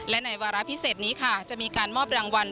และในวาระพิเศษนี้ค่ะจะมีการมอบรางวัล